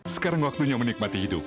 sekarang waktunya menikmati hidup